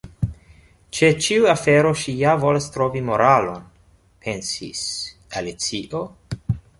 "Ĉe ĉiu afero ŝi ja volas trovi moralon," pensis Alicio.